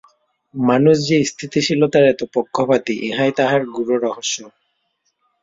মানুষ যে স্থিতিশীলতার এত পক্ষপাতী ইহাই তাহার গূঢ় রহস্য।